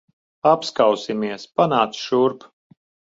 Apskausimies. Panāc šurp.